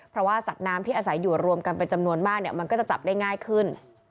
เพราะว่าสัตว์น้ำที่อาศัยอยู่รวมกันเป็นจำนวนมากมันก็จะจับได้ง่ายขึ้น